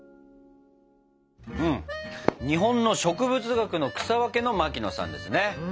日本の植物学の草分けの牧野さんですね。